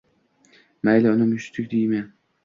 Mayli uni mushuk deydimi